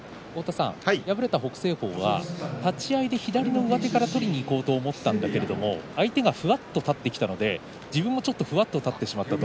敗れた北青鵬は立ち合いで左の上手から取りにいこうと思ったんだけれども相手がふわっと立ってきたので自分もちょっとふわっと立ってしまった。